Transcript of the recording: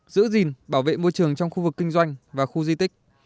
giữ gìn bảo vệ môi trường trong khu vực kinh doanh và khu di tích